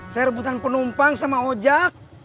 saya rebutan penumpang sama ojek